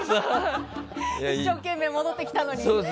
一生懸命戻ってきたのに。